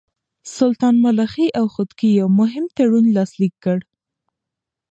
سلطان ملخي او خودکي يو مهم تړون لاسليک کړ.